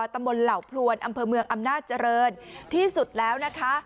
ตำบลเหล่าพลวนอำเภอเมืองอำนาจเจริญที่สุดแล้วนะคะ